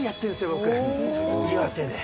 僕、岩手で。